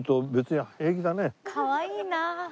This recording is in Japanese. かわいいなあ。